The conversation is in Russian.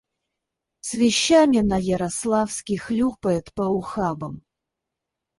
С вещами на Ярославский хлюпает по ухабам.